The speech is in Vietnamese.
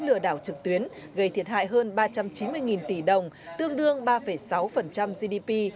lừa đảo trực tuyến gây thiệt hại hơn ba trăm chín mươi tỷ đồng tương đương ba sáu gdp